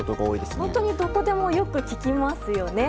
本当にどこでもよく聞きますよね。